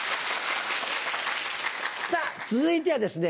さぁ続いてはですね